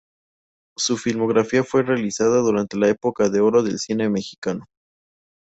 Su filmografía fue realizada durante la Época de oro del cine mexicano.